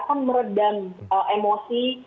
akan meredam emosi